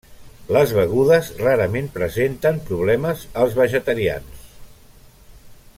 Les begudes rarament presenten problemes als vegetarians.